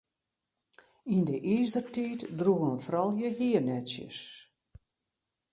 Yn de Izertiid droegen froulju hiernetsjes.